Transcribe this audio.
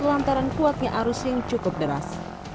lantaran kuatnya arus yang cukup deras